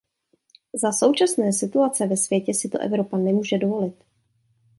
Za současné situace ve světě si to Evropa nemůže dovolit.